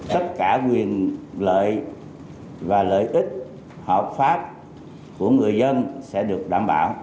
tất cả quyền lợi và lợi ích hợp pháp của người dân sẽ được đảm bảo